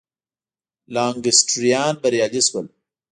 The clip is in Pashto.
لانکسټریان بریالي شول.